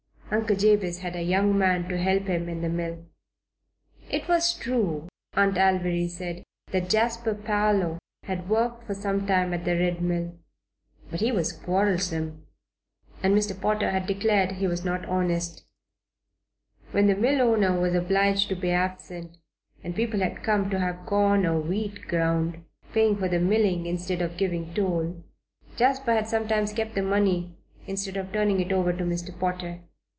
Uncle Jabez had a young man to help him in the mill. It was true, Aunt Alviry said, that Jasper Parloe had worked for some time at the Red Mill; but he was quarrelsome and Mr. Potter had declared he was not honest. When the mill owner was obliged to be absent and people had come to have corn or wheat ground, paying for the milling instead of giving toll, Jasper had sometimes kept the money instead of turning it over to Mr. Potter.